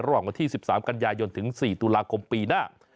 วันที่๑๓กันยายนถึง๔ตุลาคมปีหน้า